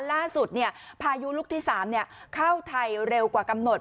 ล่าสุดพายุลูกที่๓เข้าไทยเร็วกว่ากำหนด